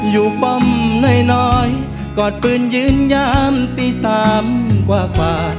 อยู่ป่อมน้อยกอดปืนยืนยามตีสามกว่า